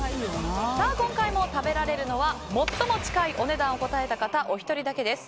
今回も食べられるのは最も近いお値段を答えた方お一人だけです。